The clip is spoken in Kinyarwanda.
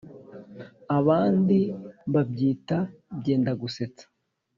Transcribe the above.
abandi babyita “byenda gusetsa”,